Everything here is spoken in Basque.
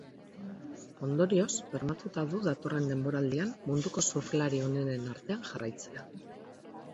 Ondorioz, bermatuta du datorren denboraldian munduko surflari onenen artean jarraitzea.